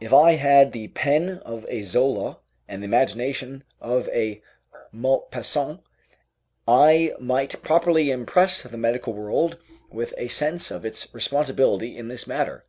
If I had the pen of a Zola and the imagination of a Maupassant, I might properly impress the medical world with a sense of its responsibility in this matter.